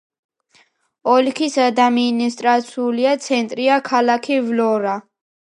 ოლქის ადმინისტრაციული ცენტრია ქალაქი ვლორა.